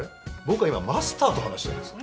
僕は今マスターと話してるんです。